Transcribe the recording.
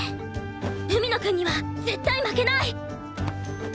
海野くんには絶対負けない！！